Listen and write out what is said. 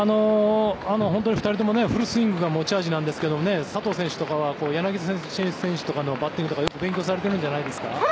２人ともフルスイングが持ち味ですが佐藤選手は柳田選手のバッティングとかよく勉強されてるんじゃないですか？